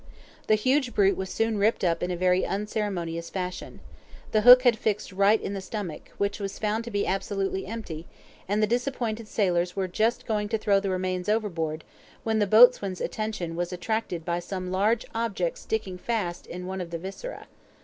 The huge brute was soon ripped up in a very unceremonious fashion. The hook had fixed right in the stomach, which was found to be absolutely empty, and the disappointed sailors were just going to throw the remains overboard, when the boatswain's attention was attracted by some large object sticking fast in one of the viscera.